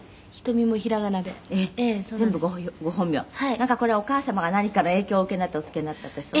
「なんかこれお母様が何かの影響をお受けになっておつけになったってそう？」